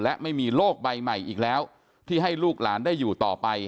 และไม่มีโรคใบใหม่อีกแล้วที่ให้ลูกหลานได้อยู่ต่อไป